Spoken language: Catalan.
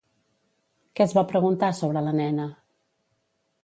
Què es va preguntar sobre la nena?